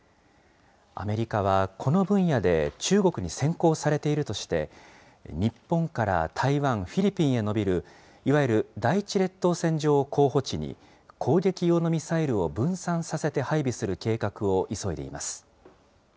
アメリカはこの分野で中国に先行されているとして、日本から台湾、フィリピンへ延びる、いわゆる第１列島線上を候補地に、攻撃用のミサイルを分散させて配備する計画を急いでいます。